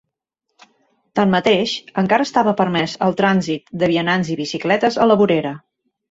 Tanmateix, encara estava permès el trànsit de vianants i bicicletes a la vorera.